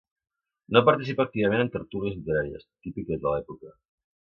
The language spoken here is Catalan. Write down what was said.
No participa activament en tertúlies literàries, típiques de l'època.